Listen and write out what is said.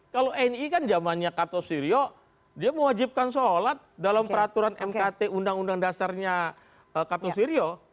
kalau ni kan zamannya kato syirio dia mewajibkan sholat dalam peraturan mkt undang undang dasarnya kato syirio